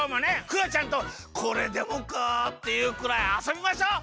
クヨちゃんとこれでもかっていうくらいあそびましょう！